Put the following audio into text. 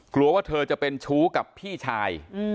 กลัวว่าเธอจะเป็นชู้กับพี่ชาย